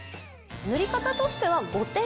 塗り方としては５点置き。